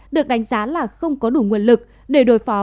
được đánh giá là không có đủ nguồn lực để đối phó